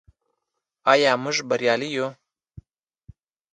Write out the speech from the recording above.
آیا موږ بریالي یو؟